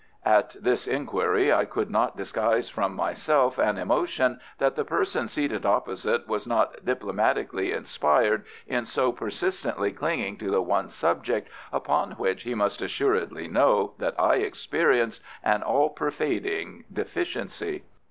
At this inquiry I could not disguise from myself an emotion that the person seated opposite was not diplomatically inspired in so persistently clinging to the one subject upon which he must assuredly know that I experienced an all pervading deficiency.